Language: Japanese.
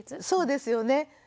そうですよね。